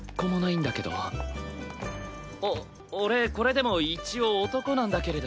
お俺これでも一応男なんだけれど。